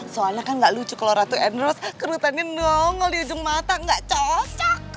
soalnya kan gak lucu kalau ratu enros kerutannya nongol di ujung mata gak cocok